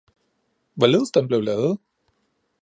Hvorledes den blev lavet.